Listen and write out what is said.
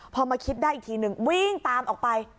พอมาคิดได้อีกทีนึงวิ่งตามออกไป